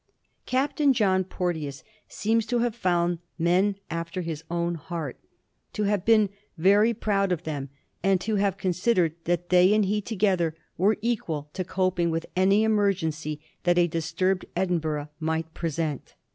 Captain John Porteous seems to have found them men after his own heart, to have been very proud of them, and to have considered that they and he together were equal to coping with any emergency that a disturbed Edinburgh might present.